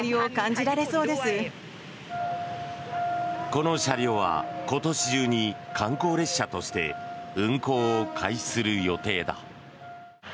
この車両は今年中に観光列車として運行を開始する予定だ。